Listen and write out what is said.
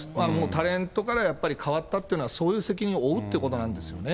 タレントからやっぱりかわったというのは、そういう責任を負うっていうことなんですよね。